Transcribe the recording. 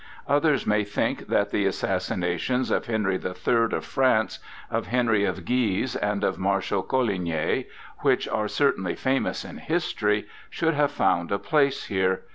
Others may think that the assassinations of Henry the Third of France, of Henry of Guise, and of Marshal Coligny, which are certainly famous in history, should have found a place here.